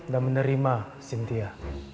dan menerima sintia